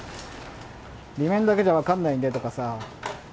裏面だけじゃ分からないんでとかさ。